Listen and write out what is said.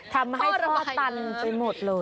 ทำให้พ่อตันไปหมดเลย